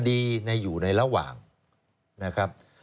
คดีในอยู่ในระหว่างนะครับ